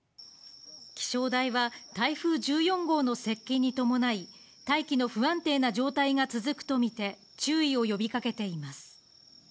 気象台は、台風１４号の接近に伴い、大気の不安定な状態が続くと見て、注意を呼びかけています。